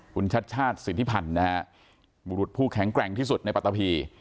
คุณชัดชาติสิทธิพันธ์นะฮะบุรุษผู้แข็งแกร่งที่สุดในปัตตาพี